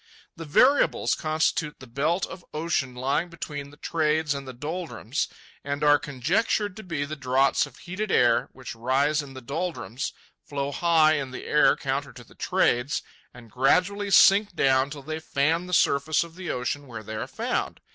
The variables constitute the belt of ocean lying between the trades and the doldrums, and are conjectured to be the draughts of heated air which rise in the doldrums, flow high in the air counter to the trades, and gradually sink down till they fan the surface of the ocean where they are found.